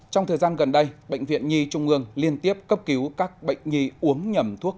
trong thời gian gần đây bệnh viện nhi trung ương liên tiếp cấp cứu các bệnh nhi uống nhầm thuốc